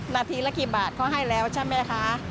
นาทีละกี่บาทเขาให้แล้วใช่ไหมคะ